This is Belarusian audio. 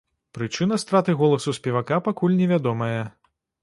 Прычына страты голасу спевака пакуль невядомая.